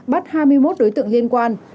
bắt hai mươi một đối tượng liên quan